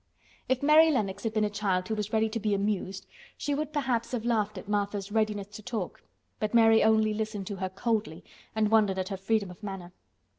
If Mary Lennox had been a child who was ready to be amused she would perhaps have laughed at Martha's readiness to talk, but Mary only listened to her coldly and wondered at her freedom of manner.